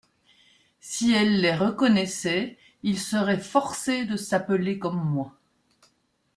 Si elle les reconnaissait, ils seraient forcés de s'appeler comme moi.